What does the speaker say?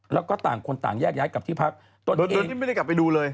แล้วก็คนต่างแยกย้ายกับที่พักโดยที่ไม่ได้กลับไปดูเลย